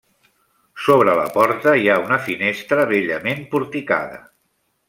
Sobre la porta hi ha una finestra bellament porticada.